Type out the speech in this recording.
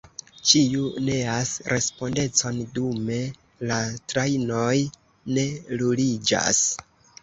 Ĉiu neas respondecon: dume la trajnoj ne ruliĝas.